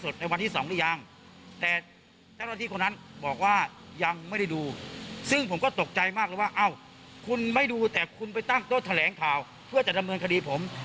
ตั้งโต๊ะแถลงข่าวเพื่อจะดำเนินคดีผม